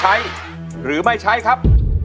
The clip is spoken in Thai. ใช้หรือไม่ใช้ครับ